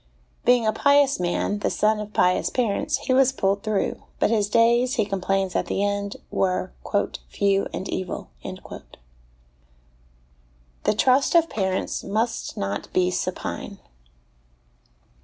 Being a pious man, the son of pious parents, he was pulled through, but his days, he complains at the end, were " few and evil." The Trust of Parents must not be Supine.